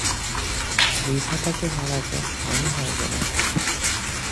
বিধাতাকে হারাব, আমি হারব না।